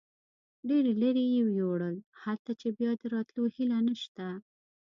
ډېر لرې یې یوړل، هلته چې بیا د راتلو هیله نشته.